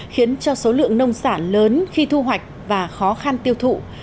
khiến cho số lượng nông sản lớn khi thu hoạch và khó khăn tiêu thụ